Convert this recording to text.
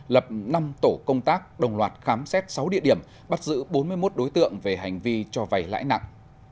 lập năm tổ công tác đồng loạt khám xét sáu địa điểm bắt giữ bốn mươi một đối tượng về hành vi cho vay lãi nặng